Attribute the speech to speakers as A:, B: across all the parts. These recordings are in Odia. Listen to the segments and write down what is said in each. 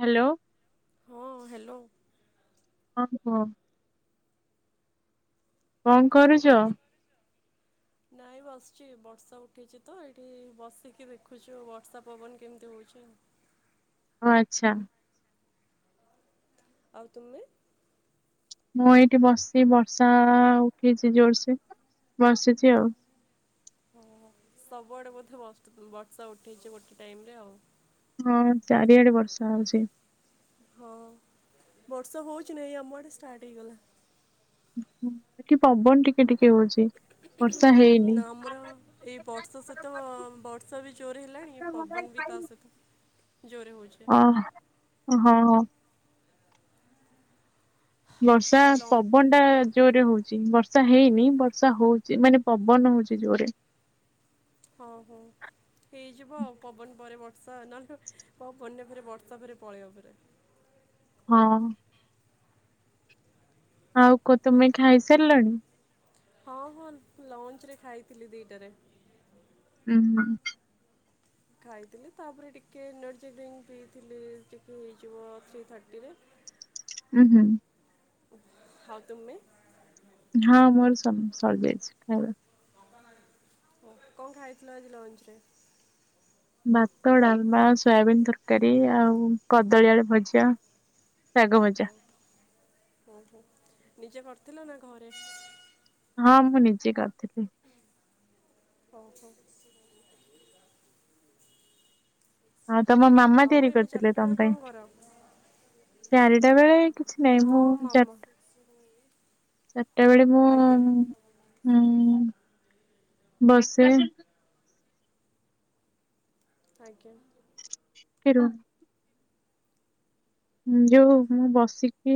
A: ହ୍ୟାଲୋ।
B: ହଁ ହ୍ୟାଲୋ।
A: [unintelligible]
B: କଣ କରୁଛ? ନାଇଁ ବସିଛି। ବର୍ଷା ଉଠେଇଛି ତ ଏଇଠି ବସିକି ଦେଖୁଛୁ ବର୍ଷା ପବନ କେମିତି ହଉଛି ଆଉ।
A: ଓଃ ଆଚ୍ଛା।
B: ଆଉ ତୁମେ?
A: ମୁଁ ଏଇଠି ବସିଛି। ବର୍ଷା ଉଠେଇଛି ଜୋରସେ ବସିଛି ଆଉ।
B: ଓଃ ସବୁଆଡ଼େ ବୋଧେ ବ-ବର୍ଷା ଉଠେଇଛି ଗୋଟେ ଟାଇମ ରେ ଆଉ।
A: ହଁ ଚାରିଆଡ଼େ ବର୍ଷା ହଉଛି।
B: ହଁ ବର୍ଷ ହଉଛି ନା ଏଇ ଆମ ଆଡ଼େ ଷ୍ଟାର୍ଟ ହେଇଗଲା।
A: ଏଠି ପବନ ଟିକେ ଟିକେ ହଉଛି। ବର୍ଷା ହେଇନି।
B: ନା ଆମର ଏଇ ବର୍ଷା ସହିତ ବର୍ଷା ବି ଜୋର ହେଲାଣି, ପବନ ବି ତା ସହିତ ଜୋରେ ହେଉଛି।
A: ଅ ହଁ ହଁ। ବର୍ଷା,
B: ଆଉ ଲଞ୍ଚ
A: ପବନ ଟା ଜୋରେ ହଉଛି। ବର୍ଷା ହେଇନି ବର୍ଷା ହଉଛି ମାନେ ପବନ ହଉଛି ଜୋରରେ।
B: ଓହୋଃ। ହେଇଯିବ ଆଉ ପବନ ପରେ ବର୍ଷା ନହେଲେ ପବନରେ ଫେର୍ ବର୍ଷା ଫେର୍ ପଳେଇବ ଫେରାର।
A: ହଁ। ଆଉ କୁହ ତୁମେ ଖାଇ ସାରିଲଣି?
B: ହଁ ହଁ ଲଞ୍ଚ ରେ ଖାଇଥିଲି ଦିଟାରେ।
A: ହୁଁ।
B: ଖାଇଥିଲି। ତାପରେ ଟିକେ ଏନର୍ଜି ଡ୍ରିଙ୍କ୍ ପିଇଥିଲି ଟିକେ ହୋଇଯିବ ଥ୍ରୀ ଥାର୍ଟିରେ।
A: ହୁଁ ହୁଁ।
B: ଆଉ ତୁମେ?
A: ହଁ ମୋର ସରିଯାଇଛି ଖାଇବା।
B: ଓଃ। କଣ ଖାଇଥିଲ ଆଜି ଲଞ୍ଚ ରେ?
A: ଭାତ, ଡାଲମା, ସୋୟାବିିନ ତରକାରୀ ଆଉ କଦଳୀ ଆଳୁ ଭଜା। ଶାଗ ଭଜା।
B: ହଉ ଓହୋଃ। ନିଜେ କରିଥିଲ ନା ଘରେ?
A: ହଁ ମୁଁ ନିଜେ କରିଥିଲି।
B: ଓହୋଃ।
A: ଆଉ ତମ ମାମା ତିଆରି କରିଥିଲେ ତମ
B: କଣ
A: ପାଇଁ?
B: କର
A: ଚାରିଟା ବେଳେ କିଛି ନାହିଁ।
B: ହଁ
A: ମୁଁ
B: [unintelligible]
A: ଚାରିଟା ବେଳେ ମୁଁ
B: ଆଜ୍ଞା
A: ହୁଁ ବସ
B: ଆଜ୍ଞା।
A: [unintelligible] ଯୋଉ ମୁଁ ବସିକି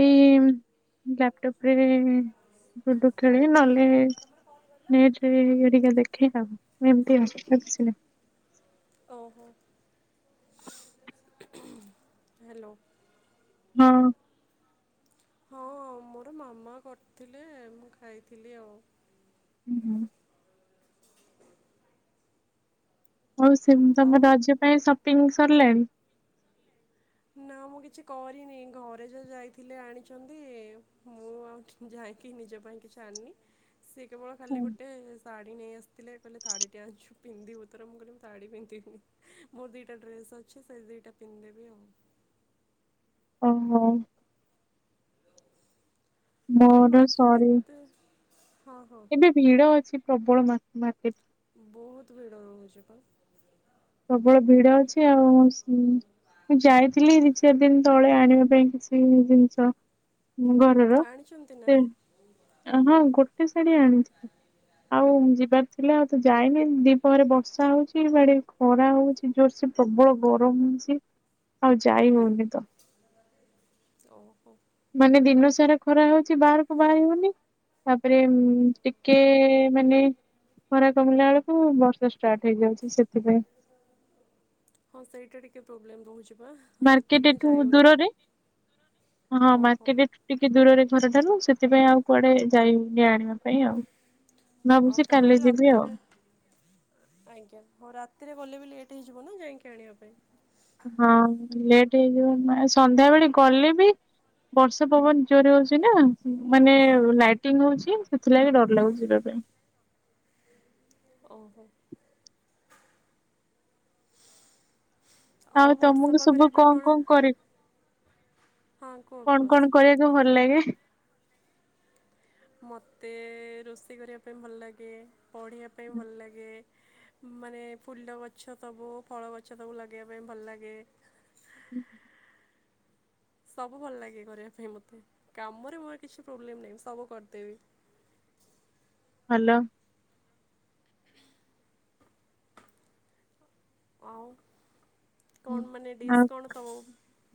A: ଏଇ ଲାପଟପ୍ ରେ ଲୁଡୁ ଖେଳେ ନହେଲେ ନାଇଁ ଯେ ଇଏ ଟିକେ ଦେଖେ ଆଉ ଏମିତି ଆଉ। ଆଉ କିଛି ନାଇଁ।
B: ଓହୋଃ। ହ୍ୟାଲୋ?
A: ହଁ।
B: ହଁ ମୋର ମାମା କରିଥିଲେ ମୁଁ ଖାଇଥିଲି ଆଉ।
A: ହୁଁ ହୁଁ
B: [inaudible]
A: ହଉ ସେ ତମ
B: ଆଉ
A: ରଜ ପାଇଁ ସପିଙ୍ଗ୍ ସରିଲାଣି।
B: ନା ମୁଁ କିଛି କରିନି ଘରେ ଯେଉ ଯାଇଥିଲି ଆଣିଛନ୍ତି ମୁଁ ଆଉି ଯାହାକି ନିଜ ପାଇଁ କିଛି ଆଣିନି ସେ କେବଳ
A: ହଁ।
B: ଖାଲି ଗୋଟେ ଶାଢୀ ନେଇ ଆସିଥିଲେ କହିଲେ ଶାଢୀ ଆଣିଛୁ ପିନ୍ଧିବୁ ତ ମୁ କହିଲି ମୁଁ ଶାଢୀ ପିନ୍ଧିବିନି। ମୋର ଦିଟା ଡ୍ରେସ୍ ଅଛି ସେ ଦିଟା ପିନ୍ଧିଦେବି ଆଉ।
A: ଓହୋ।
B: ଆଉ ଏ
A: ମୋର
B: ମାର୍କେଟ
A: ସରି
B: ଏତେ ହଁ ହଁ
A: ଏବେ ଭିଡ ଅଛି ପ୍ରବଳ ମା ମାତେ
B: ବହୁତ ଭିଡ ରହୁଛି ପା
A: ପ୍ରବଳ ଭିଡ ଅଛି ଆଉ ମୁଁ ଯାଇଥିଲି ଦି ଚାରି ଦିନ ତଳେ ଆଣିବା ପାଇଁ କିଛି ଜିନିଷ। ଘରର
B: ଆଣିଛନ୍ତି ନା
A: ସେ ହଁ ଗୋ ଗୋଟେ ଶାଢୀ ଆଣି ଆଉ ଯିବା ଥିଲା ଆଉ ତ ଯାଇନି ଦିପହରେ ବର୍ଷା ହଉଛି ବାଡିକୁ। ଖରା ହଉଛି ଜୋରସେ ପ୍ରବଳ ଗରମ ହଉଛି ଆଉ ଯାଇ ହଉନି ତ
B: ଓ ହୋ।
A: ମାନେ ଦିନ ସାରା ଖରା ହଉଚି ବାହାରକୁ ବାହାରି ହଉନି। ତାପରେ ଟିକେ ମାନେ ଖରା କମିଲା ବେଳକୁ ବର୍ଷା ଷ୍ଟାର୍ଟ୍ ହେଇଯାଉଛି ସେଥିପାଇଁ।
B: ହଁ ସେଇଟା ଟିକେ ପ୍ରୋବ୍ଲେମ୍ ରହୁଛି ବା।
A: ମାର୍କେଟ୍ ଏଠୁ ଦୂରରେ ହଁ
B: ଓହୋ
A: ମାର୍କେଟଠ ଟିକେ ଦୂରରେ ଘର ଠାରୁୁ ସେଥିପାଇଁ ଆଉ କୁଆଡେ ଯାଇ ହଉନି ଆଣିବା ପାଇଁ ଆଉ।
B: ଆଉ
A: ଭାବୁଛି
B: ତାପରେ
A: କାଲି ଯିବି ଆଉ।
B: ରାତିରେ ଆଜ୍ଞା ହଉ ରାତିରେ ଗଲେ ବି ଲେଟ୍ ହେଇଯିବ ନା ଯାଇକି ଆଣିବା ପାଇଁ।
A: ହଁ ଲେଟ୍ ହେଇଯିବ ସନ୍ଧ୍ୟାବେଳେ ଗଲେ ବି ବର୍ଷା ପବନ ଜୋରେ ହଉଛି ନା ମାନେ ଲାଇଟିଙ୍ଗ୍ ହଉଛି ସେଥିଲାଗି ଡର ଲାଗୁଛି ଯିବା ପାଇଁ।
B: ଓହୋ।
A: ଆଉ
B: ବର୍ଷା
A: ତମକୁ
B: ପାଗରେ
A: ସବୁ
B: ଏବେ
A: କଣ କଣ କରେ
B: ହଁ କୁହ
A: କଣ
B: କୁହ।
A: କଣ କରିବାକୁ ଭଲ ଲାଗେ।
B: ମୋତେ ରୋଷେଇ କରିବା ପାଇଁ ଭଲ ଲାଗେ ପଢ଼ିବା ପାଇଁ ଭଲ ଲାଗେ। ମାନେ ଫୁଲ ଗଛ ସବୁ ଫଳ ଗଛ ସବୁ ଲଗେଇବା ପାଇଁ ଭଲ ଲାଗେ।
A: ହୁଁ।
B: ସବୁ ଭଲ ଲାଗେ କରିବା ପାଇଁ ମୋତେ କାମରେ ମୋର କିଛି ପ୍ରୋବ୍ଲେମ୍ ନାହିଁଁ ସବୁ କରିଦେବି।
A: ହ୍ୟାଲୋ।
B: ଆଉ କଣ ମାନେ ଡିସ୍
A: ଆଉ
B: କଣ ସବୁ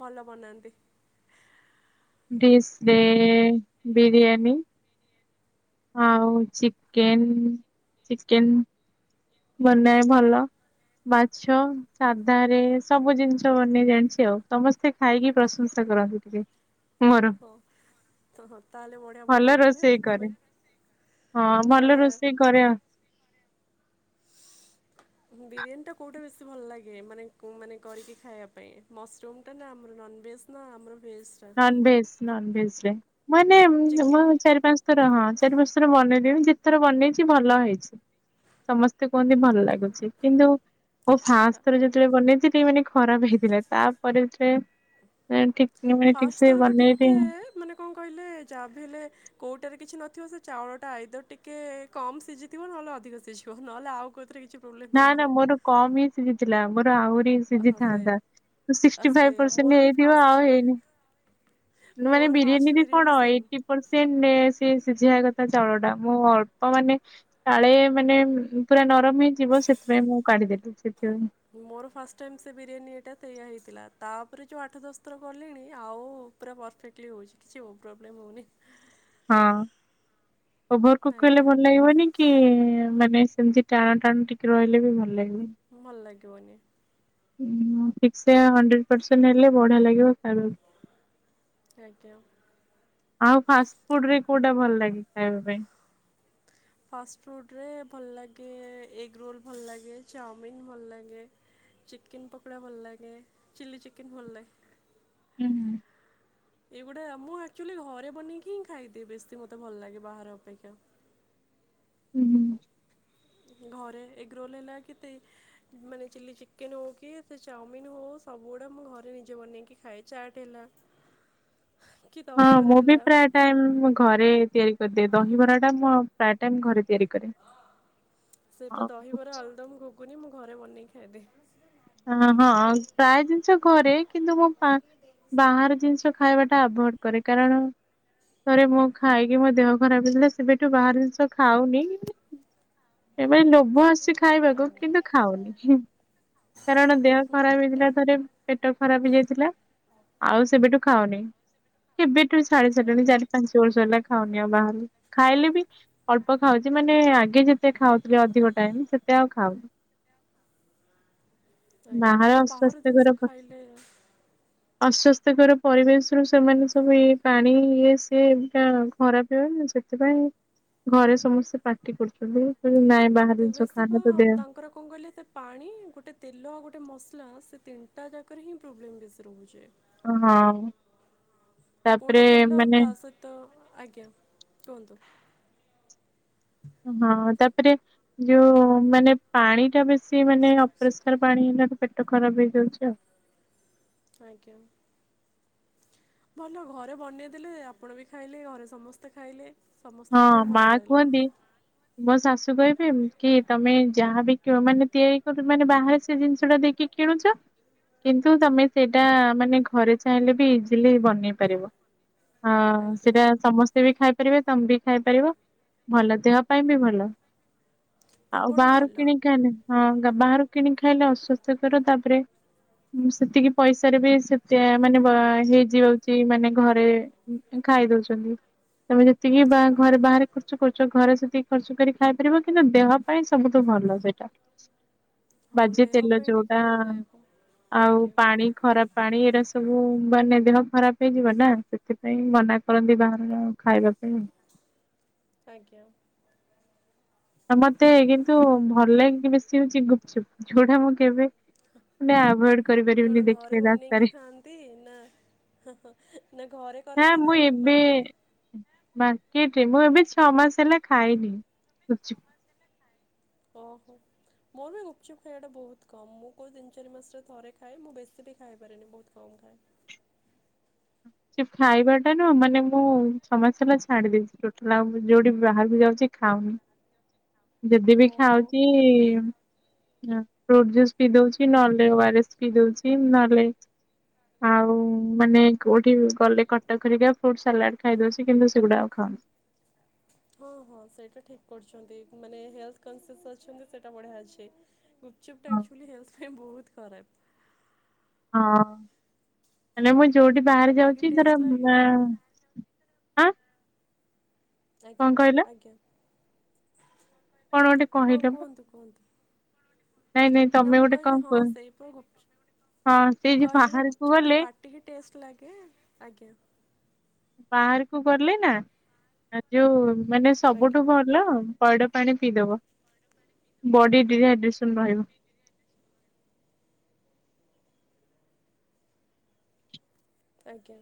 B: ଭଲ ବନାନ୍ତି।
A: ଡିଶରେ ବିରିୟାନୀ। ଆଉ ଚିକେନ ଚିକେନ ବନାଏ ଭଲ। ମାଛ ସାଧାରେ ସବୁ ଜିନିଷ ବନେଇ ଜାଣିଛି ଆଉ ସମସ୍ତେ। ଖାଇକି ପ୍ରଶଂସା କରନ୍ତି ଟିକେ ମୋର।
B: ହଁ। ତ ହଁ ତାହେଲେ ବଢିଆ
A: ଭଲ
B: ବନଉଥିବେ
A: ରୋଷେଇ
B: ସେଠି
A: କରେ
B: ପାଇଁ
A: ହଁ ଭଲ ରୋଷେଇ କରେ ଆ [inaudible]
B: ବିରିୟାନୀଟା କେଉଁଟା ବେଶୀ ଭଲ ଲାଗେ ମାନେ ମାନେ କରିକି ଖାଇବା ପାଇଁ ମସରୁମ୍ଟା ନା ଆମର ନନ୍ଭେଜ୍। ନା ଆମର ଭେଜ୍। ଟା
A: ନନ୍ ଭେଜ୍ ନନ୍ ଭେଜ୍ ରେ ମାନେ
B: ଚିକେନ୍
A: ଚାରି ପାଞ୍ଚ ଥର ହଁ ଚାରି ବର୍ଷର ବନେଇଦି ଯେତଥର ବନେଇଛି ଭଲ ହେଇଛି। ସମସ୍ତେ କୁହନ୍ତି ଭଲ ଲାଗୁଛି କିନ୍ତୁ ଓ ଫାଷ୍ଟ୍ ଥରେ ଯେତେବେଳେ ବନେଇଥିଲି ମାନେ ଖରାପ ହେଇଥିଲା ତାପରେରେ ଏନ୍ ଠିକ୍ ନିଉ
B: ଫାଷ୍ଟ ଥରକ ଟିକେ ମାନେ କଣ କହିଲେ ଯାହାବି ହେଲେ କୋଉଟାରେ କିଛି ନଥିବ ସେ ଚାଉଳଟା ଆଇଦର ଟିକେ କମ ସିଝିଥିବ ନହେଲେ ଅଧିକ ସିଝିବ ନହେଲେ ଆଉ କଉଥିରେ କିଛି ପ୍ରୋବ୍ଲେମ୍
A: ନା ନା
B: ହବନି
A: ମୋର କମ୍ ହିଁ ଶିଜିଥିଲା ମୋର ଆହୁରି
B: ହଁ ସେ
A: ସିଝିଥାନ୍ତା ତ
B: ଆ
A: ସିକଷ୍ଟି ଫାଇଭ
B: ସେଇଆ
A: ପର୍ସେଣ୍ଟ
B: ମୋର ବି
A: ହେଇଥିବ ଆଉ
B: ଫାଷ୍ଟ
A: ହେଇନି। ମାନେ
B: ମୋର ଫାଷ୍ଟ
A: ବିରିୟାନୀ ବି କଣ
B: ସେମ୍
A: ଏଇଟି ପର୍ଷେଣ୍ଟନେ ସେ ସିଝିିବାବା କଥା ଚାଉଳ ଟା ମୁଁ ଅଳ୍ପ ମାନେ କାଳେ ମାନେ ଉମ ପୁରା ନରମ ହେଇ ଯିବ ସେଥିପାଇଁ ମୁଁ କାଢିଦେଲିି ସେଥିପାଇଁ
B: ମୋର ଫାଷ୍ଟ ଟାଇମ୍ ସେ ବିରିୟାନୀ ଇଏଟା ତ ଏଇଆ ହେଇଥିଲା ତାପରେ ଯୋଉ ଆଠ ଦଶଥର କଲିଣି ଆଉ ପୁରା ପରଫେକ୍ଟଲି ହେଉଛି କିଛି ଓ ପ୍ରୋବ୍ଲେମ୍ ହୋଉନି।
A: [inaudible] ହଁ ଓଭରକୁକ୍ କଲେ
B: ଆଜ୍ଞା
A: ଭଲ ଲାଗିବନି କି ମାନେ ସେମିତି ଟାଣ ଟାଣ ଟିକେ ରହିଲେ ବି ଭଲ ଲାଗିବନି
B: ଭଲ ଲାଗିବନି।
A: ଠିକ୍ ସେ ହଣ୍ଡ୍ରେଡ୍ ପରସେଣ୍ଟ ହେଲେ ବଢିଆ ଲାଗିବ ଖାଇବାକୁ
B: ଆଜ୍ଞା।
A: ଆଉ ଫାଷ୍ଟ ଫୁଡ ରେ କୋଉଟା ଭଲ ଲାଗେ ଖାଇବା ପାଇଁ?
B: ଫାଷ୍ଟଫୁଡ଼ରେ ଭଲ ଲାଗେ ଏଗ୍ ରୋଲ୍ ଭଲ ଲାଗେ ଚାଓମିିନ ଭଲ ଲାଗେ। ଚିକେନ ପକୋଡ଼ା ଭଲ ଲାଗେ ଚିଲ୍ଲି ଚିକେନ୍ ଭଲ ଲାଗେ।
A: ହୁଁ ହୁଁ।
B: ଏଇଗୁଡା ମୁଁ ଆକ୍ଚୁଆଲି ଘରେ ବନେଇକି ହିଁ ଖାଇଦିଏ ବେଶୀ ମତେ ଭଲ ଲାଗେ ବାହାର ଅପେକ୍ଷା।
A: ହୁଁ ହୁଁ।
B: ଘରେ ଏଗ୍ ରୋଲ ହେଲା କିତେ ମାନେ ଚିଲି ଚିକେନ ହଉ କି ସେ ଚାଉମିନ ହଉ ସବୁ ଗୁଡା ମୁଁ ଘରେ ନିଜେ ବନେଇକି ଖାଏ। ଚାଟ ହେଲା
A: [inaudible]
B: କି
A: ହଁ
B: ଦହିବରା
A: ମୁଁ ବି
B: ହେଲା
A: ପ୍ରାୟ ଟାଇମ ମୁ ଘରେ ତିଆରି କରିଦିଏ ଦହିିବରା ଟା ମୁଁ ପ୍ରାୟ ଟାଇମ୍ ଘରେ ତିଆରି କରେ।
B: ସେଇ ପା
A: ହଁ
B: ଦହିବରା ଆଳୁଦମ ଗୁଗୁନି ମୁଁ ଘରେ ବନେଇକି ଖାଇଦିଏ।
A: ହଁ ହଁ ପ୍ରାୟ ଜିନିଷ ଘରେ କିନ୍ତୁ ମୁଁ ପା ବାହାର ଜିନିଷ ଖାଇବା ଟା ଆଭଏଡ କରେ କାରଣ ଥରେ ମୁଁ ଖାଇକି ମୋ ଦେହ ଖରାପ ହେଇଥିଲା ସେବେଠୁ ବାହାର ଜିନିଷ ଖାଉନି। ଏବେ ଲୋଭ ଆସୁଛି ଖାଇବାକୁ କିନ୍ତୁ ଖାଉନି। କାରଣ ଦେହ
B: ଆଜ୍ଞା
A: ଖରାପ ହେଇଥିଲା ଥରେ ପେଟ ଖରାପ ହେଇଯାଇଥିଲା ଆଉ ସେବେଠୁ ଖାଉନି। କେବେଠୁ ଛାଡି ସାରିଲିଣି
B: ଆଜ୍ଞା
A: ଚାରି ପାଞ୍ଚ ବର୍ଷ ହେଲା ଖାଉନି ଆଉ ବାହରୁ ଖାଇଲେ ବି ଅଳ୍ପ ଖାଉଛି ମାନେ ଆଗେ ଯେତେ ଖାଉଥିଲି ଅଧିକ ଟାଇମ ସେତେ ଆଉ ଖାଉନି।
B: ଆଜ୍ଞା
A: ବାହାର
B: ହଁ ଜିନିଷ
A: ଅସ୍ୱସ୍ଥ୍ୟକାରକ
B: ଖାଇଲେ
A: ଅସ୍ଵସ୍ଥ୍ୟକର ପରିବେଶ ରୁ ସେମାନେ ସବୁ ଏଇ ପାଣି ଇଏ ସିଏ ଏମତି ଆଉ ଖରାପ ହେବ ନା ସେଥିପାଇଁ ଘରେ ସମସ୍ତେ ପାତି କରୁଥିଲୁ ନାଇ ନାଇ
B: ତେବେ ଶୀ ପ ତାଙ୍କର କଣ କହିଲେ ତା ପାଣି ଗୋଟେ ତେଲ ଆଉ ଗୋଟେ ମସଲା ସେ ତିନିଟା ଯାକରେ ହିଁ ପ୍ରୋବ୍ଲେମ୍ ବେଶି ରହୁଛି।
A: ହଁ ତାପରେ ମାନେ
B: ତ ଆଜ୍ଞା କୁହନ୍ତୁ।
A: ହଁ ତାପରେ ଯୋଉ ମାନେ ପାଣି ଟା ବେଶୀ ମାନେ ଅପରିଶ୍ ସ୍କାର ପାଣି ଯାହା କି ପେଟ ଖରାପ ହେଇଯାଉଛି ଆଉ।
B: ଆଜ୍ଞା। ଭଲ ଘରେ ବନେଇ ଦେଲେ ଆପଣ ବି ଖାଇଲେ ଘରେ ସମସ୍ତେ ଖାଇଲେ। ସମସ୍ତଙ୍କ
A: ହଁ
B: ପାଇଁ
A: ମା
B: ଭଲ ରହିଲା।
A: କୁହନ୍ତି ମୋ ଶାଶୁ କହିବେ କି ତମେ ଯାହାବି କିଣ ମାନେ ତିଆରି କର ମାନେ ବାହାରେ ସେ ଜିନିଷ ଟା ଦେଇକି କିଣୁଛ। କିନ୍ତୁ ତମେ ସେଇଟା ମାନେ ଘରେ ଚାହିଁଲେ ବି ଇଜିଲି ବନେଇ ପାରିବ। ହଁ
B: ଆଜ୍ଞା
A: ସେଟା ସମସ୍ତେ ବି ଖାଇପାରିବେ ତମେ ବି ଖାଇପାରିବ ଭଲ ଦେହ ପାଇଁ ବି ଭଲ। ଆଉ
B: ସବୁଠୁ
A: ବାହାରୁ
B: ଭଲ।
A: କିଣି ଖାଇଲେ ହଁ ବାହାରୁ କିଣି ଖାଇଲେ ଅସୁବିଧା ହବ ତାପରେ ସେତିକି ପଇସାରେ ବି ସେତେ ମାନେ ହେଇଯାଉଛି ମାନେ ଘରେ। ଖାଇ ଦଉଛନ୍ତି। ତମେ ଯେତିକି ବା ଘରେ ବାହାରେ ଖର୍ଚ୍ଚ କରୁଛ ଘରେ ସେତିକି ଖର୍ଚ୍ଚ କରି ଖାଇ ପାରିବ କିନ୍ତୁ ଦେହ ପାଇଁ ସବୁଠୁ ଭଲ ସେଇଟା।
B: ହଁ
A: ବାଯ୍ୟ
B: ଦେହ
A: ତେଲ
B: ପାଇଁ ଟିକେ
A: ଯୋଉଟା
B: ସେ
A: ଆଉ
B: ଆଜ୍ଞା
A: ପାଣି ଖରାପ ପାଣି ଏଟା ସବୁ ମାନେ ଦେହ ଖରାପ ହେଇଯିବ ନା ସେଥିପାଇଁ ମନା କରନ୍ତି ବାହାରର ଖାଇବାକୁ। ହୁଁ।
B: ଆଜ୍ଞା।
A: ମତେ କିନ୍ତୁ ଭଲଗେ ବେଶି ଗୁପଚୁପ ଯୋଉଟା ମୁଁ କେବେ ମାନେ ଆବାଡ଼
B: କଣ ଘରେ ବନେଇକି ଖାଆନ୍ତି ନା ନା ଘରେ କରନ୍ତି
A: ମୁଁ
B: ନା
A: ଏବେ
B: ମାର୍କେଟ୍?
A: ମାର୍କେଟରେ ମୁଁ ଏବେ ଛଅ ମାସ ହେଲା ଖାଇନି। ଗୁଚ
B: ଓହୋ। ମୋର ବି ଗପଚୁପ ଖାଇବାଟା ବହୁତ କମ୍ ମୁଁ କହୁଁ ତିନି ଚାରି ମାସରେ ଥରେ ଖାଏ ମୁଁ ବେଶୀ ବି ଖାଇପାରେନି ବହୁତ କମ୍ ଖାଏ।
A: ସେ ଖାଇବାଟା ନ ମାନେ ମୁଁ ଛଅ ମାସେହେଲା ଛାଡି ଦେଇଛି ଟୋଟାଲ ଯୋଉଠି ବି ବାହାରକୁ ଯାଉଛି ଖାଉନି ଯଦି ବିି
B: ହଁ ହଁ
A: ଖାଉଛି ଫ୍ରୁଟ ଜୁସ୍ ପି ଦଉଛି ନହେଲେ ଓଆରେସ ପି ଦଉଛି ନହେଲେ ଆଉ ମାନେ କୋଉଠି ଗଲେ କଟକ ଘରିକା ଫ୍ରୁଟ ସାଲାଡ ଖାଇଦଉଛି କିନ୍ତୁ ସେଗୁଡା ଆଉ ଖାଉନି।
B: ହଁ ହଁ ସେଇଟା ଠିକ୍ କରୁଛନ୍ତି ମାନେ ହେଲ୍ଥ କନସିଅସ୍ ଅଛନ୍ତି ସେଇଟା ବଢ଼ିଆ ଅଛି। ଗୁପଚୁପ ଟା ଆକ୍ଚୁଆଲ ହେଲଥ ପାଇଁ ବହୁତ ଖରାପ।
A: ହଁ ହେଲେ ମୁଁ ଯୋଉଠି ବାହାରେ
B: ପାଟିକି
A: ଯାଉଛି
B: ଟେଷ୍ଟ
A: ତାର
B: ଲାଗେ
A: ଏ କଣ
B: ଆଜ୍ଞା
A: କହିଲ
B: ଆଜ୍ଞା
A: କଣ ଗୋଟେ
B: ହଁ
A: କହିଲ ବା?
B: କୁହନ୍ତୁ କୁହନ୍ତୁ।
A: ନାଇଁ ନାଇଁ
B: ନା
A: ତମେ
B: ମୁଁ
A: ଗୋଟେ କଣ
B: କହିଲି ହଁ
A: କୁହ
B: ସେଇପ ଗୁପଚ
A: ହଁ ସେଇ
B: ମୁଁ
A: ଯୋଉ
B: କହିଲି ବା
A: ବାହାରକୁ
B: ଗୁପଚୁପ୍ ଟା
A: ଗଲେ
B: ପାଟ ଟିକି ଏ ଟେଷ୍ଟ ଲାଗେ ଆଜ୍ଞା।
A: ବାହାରକୁ ଗଲେ ନା ଆ ଯୋଉ ମାନେ
B: ଆଜ୍ଞା
A: ସବୁଠୁ ଭଲ ପଇଡ଼ ପାଣି ପିଇଦବ ବଡ଼ି ଡିହାଇଡ୍ରେସନ ରହିବ।
B: ଆଜ୍ଞା।